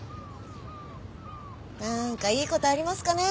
何かいいことありますかね？